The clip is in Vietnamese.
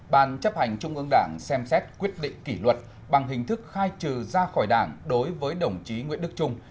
ban chấp hành trung ương đảng xem xét quyết định kỷ luật bằng hình thức khai trừ ra khỏi đảng đối với đồng chí nguyễn đức trung